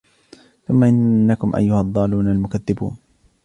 ثم إنكم أيها الضالون المكذبون